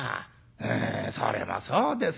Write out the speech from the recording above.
「ええそれもそうですね。